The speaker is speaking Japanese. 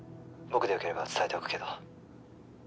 僕でよければ伝えておくけど」